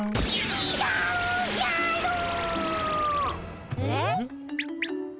ちがうじゃろー。